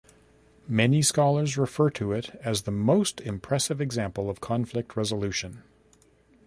Many scholars refer to it as "the most impressive example of conflict resolution".